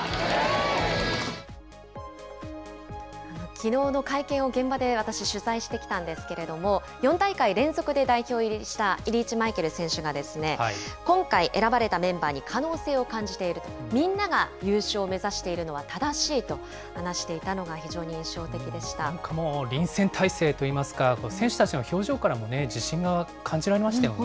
きのうの会見を現場で私、取材してきたんですけれども、４大会連続で代表入りしたリーチマイケル選手が、今回選ばれたメンバーに可能性を感じていると、みんなが優勝を目指しているのは正しいと話していたのが非常に印なんかもう臨戦態勢といいますか、選手たちの表情からもね、自信が感じられましたよね。